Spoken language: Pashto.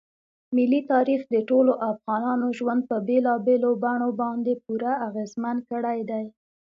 ملي تاریخ د ټولو افغانانو ژوند په بېلابېلو بڼو باندې پوره اغېزمن کړی دی.